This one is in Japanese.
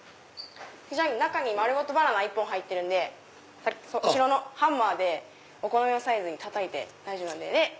中に丸ごとバナナ１本入ってるんでハンマーでお好みのサイズにたたいて大丈夫なので。